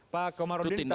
pak komarudin ditahan dulu